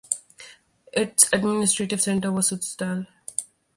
Its administrative centre was Suzdal.